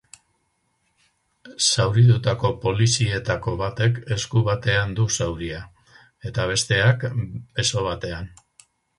Zauritutako polizietako batek esku batean du zauria, eta besteak, beso batean.